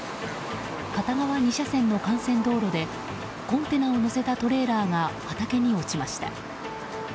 片側２車線に幹線道路でコンテナを載せたトレーラーが畑に落ちました。